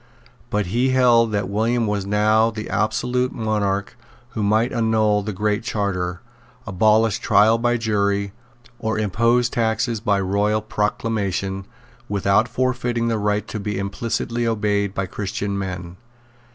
But he held that William was now the absolute monarch, who might annul the Great Charter, abolish trial by jury, or impose taxes by royal proclamation, without forfeiting the right to be implicitly obeyed by Christian men.